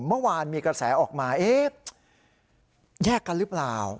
เมื่อวานมีกระแสออกมาเอ๊ะแยกกันหรือเปล่า